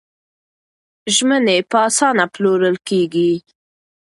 ژمنې په اسانه پلورل کېږي.